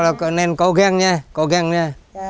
các cháu là nên cố gắng nha cố gắng nha